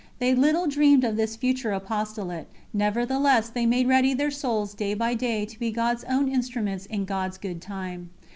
They little dreamed of this future apostolate, nevertheless they made ready their souls day by day to be God's own instruments in God's good time.